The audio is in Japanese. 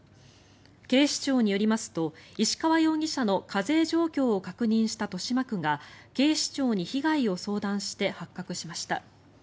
警視庁によりますと石川容疑者の課税状況を確認した豊島区が警視庁に被害を相談して発覚しました。